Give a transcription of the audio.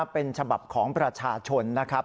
เป็นฉบับของประชาชนนะครับ